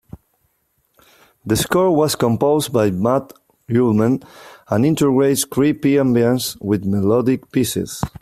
The score was composed by Matt Uelmen and integrates creepy ambience with melodic pieces.